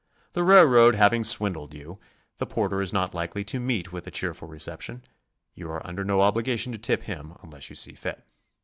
The railroad having swindled you, the porter is not likely to meet with a cheerful reception; you are under no obligation to tip him unless you see fit.